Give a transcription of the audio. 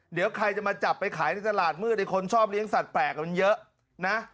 เดี๋ยวใครจะมาจับไปขายในตลาดมืดไอ้คนชอบเลี้ยสัตวแปลกมันเยอะนะ